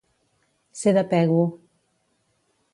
Ser de Pego.